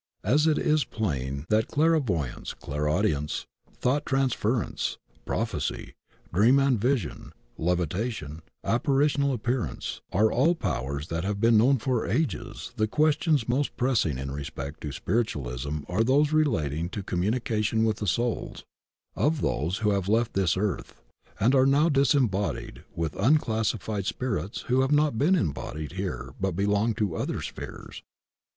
As it is plain that clairvoyance, clairaudience, thought transference, prophecy, dream and vision, lev itation, apparitional appearance, are all powers that have been known for ages the questions most pressing in respect to spiritualism are tfiose relating to com munication with the souls of those who have left this earth and are now disembodied, and with unclassified spirits who have not been embodied here but belong to other spheres.